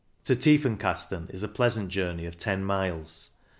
To Tiefenkasten is a pleasant journey of ten miles.